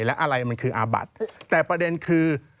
แล้วอะไรมันคืออาบัติแต่ประเด็นคือ